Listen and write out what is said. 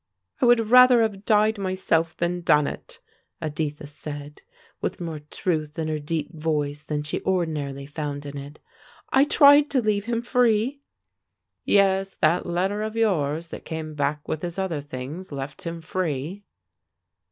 "I would rather have died myself than done it!" Editha said with more truth in her deep voice than she ordinarily found in it. "I tried to leave him free " "Yes, that letter of yours, that came back with his other things, left him free."